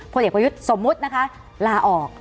พวกเด็กพยุทธสมมุตินะคะลาออก